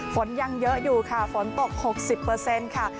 ฝนยังเยอะอยู่ค่ะฝนตก๖๐ค่ะ